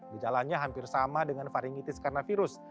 gejalanya hampir sama dengan varingitis karena virus